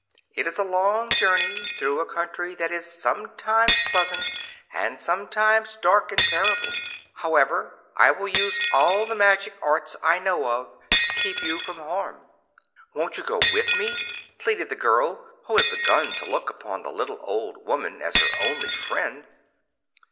It is a long journey, through a country that is sometimes pleasant and sometimes dark and terrible. However, I will use all the magic arts I know of to keep you from harm." "Won't you go with me?" pleaded the girl, who had begun to look upon the little old woman as her only friend.